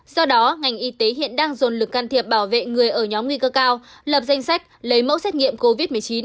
do đó ngành y tế hiện đang dồn lực can thiệp bảo vệ người ở nhóm nguy cơ cao lập danh sách lấy mẫu xét nghiệm covid một mươi chín